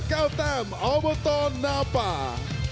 เก้าแต้มอัลเบิ้ลตอร์นาป่า